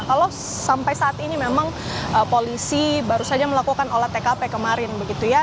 kalau sampai saat ini memang polisi baru saja melakukan olah tkp kemarin begitu ya